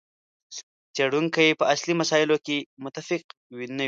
څېړونکي په اصلي مسایلو هم متفق نه دي.